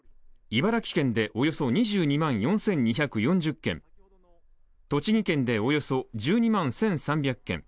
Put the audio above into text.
茨城県でおよそ２２万４２４０軒、栃木県でおよそ１２万１３００軒。